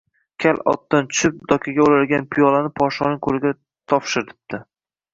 Kal otdan tushib, dokaga o‘ralgan piyolani podshoning qo‘liga topshiribdi